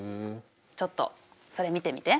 ちょっとそれ見てみて。